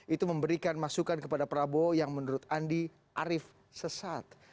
itu memberikan masukan kepada prabowo yang menurut andi arief sesat